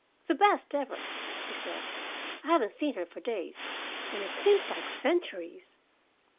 "The best ever!" he said. "I haven't seen her for days, and it seems like centuries.